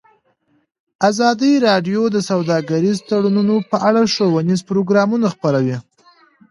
ازادي راډیو د سوداګریز تړونونه په اړه ښوونیز پروګرامونه خپاره کړي.